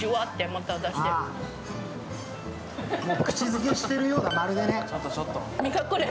もう口づけしてるような、まるでね。